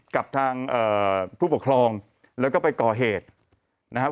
กับทางผู้ปกครองแล้วก็ไปก่อเหตุนะครับ